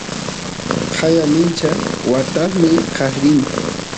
qaya mincha watasniy kaq rin